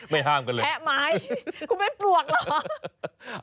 ไม่ห้ามกันเลยแพะไม้คุณไม่ปลวกหรือ